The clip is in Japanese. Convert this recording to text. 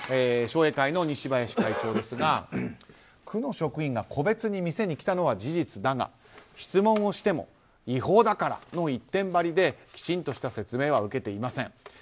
商栄会の西林会長ですが区の職員が個別に店に来たのは事実だが、質問をしても違法だからの一点張りで、きちんとした説明は受けていません。